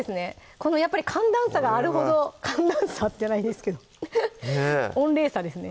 このやっぱり寒暖差があるほど寒暖差じゃないですけど温冷差ですね